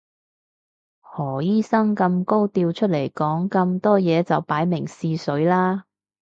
何醫生咁高調出嚟講咁多嘢就擺明試水啦